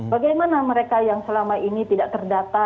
bagaimana mereka yang selama ini tidak terdata